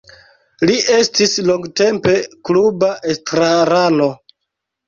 Li estis longtempe kluba estrarano.